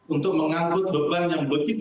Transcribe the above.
untuk mengangkut beban yang begitu